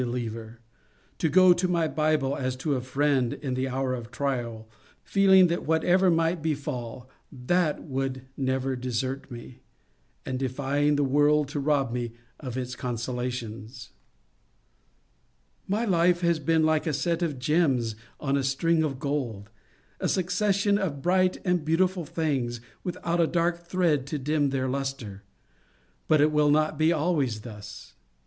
liever ; to go to my Bible as to a friend in the hour of trial, feeling that whatever might befall, that would never desert me, and defying the world to rob me of its consolations. My life has been like a set of gems on a string of gold, — a succession of bright and beautiful things, without a dark thread to dim their lustre. But it will not be always thus.